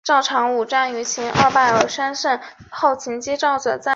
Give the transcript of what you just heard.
爱尔兰航空公司是爱尔兰的国家航空公司。